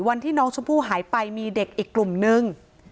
วันที่น้องชมพู่หายไปมีเด็กอีกกลุ่มนึง